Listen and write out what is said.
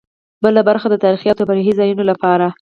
بله برخه د تاریخي او تفریحي ځایونو لپاره.